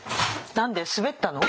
何で滑ったの？